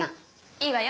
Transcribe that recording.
いいわよ。